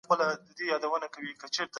آیا ته د مفرور ناول لوستلی سې؟